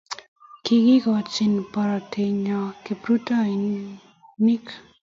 Ki kigoochi porotennyo kiprutoin.